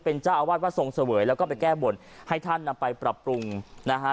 เป็นเจ้าอาวาสวัดทรงเสวยแล้วก็ไปแก้บนให้ท่านนำไปปรับปรุงนะฮะ